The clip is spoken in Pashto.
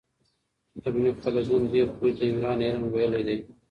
ابن خلدون دې پوهې ته د عمران علم ویلی دی.